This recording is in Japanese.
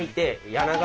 柳川。